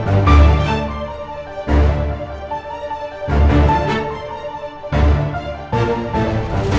anak ini adalah anak kandung kamu